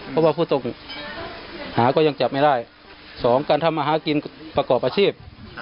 เพราะว่าผู้ต้องหาก็ยังจับไม่ได้สองการทำมาหากินประกอบอาชีพ